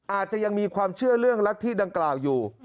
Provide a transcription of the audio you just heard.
อาจจะยังมีความเชื่อเรื่องรัฐธิดังกล่าวอยู่